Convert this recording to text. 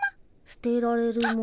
捨てられるもの。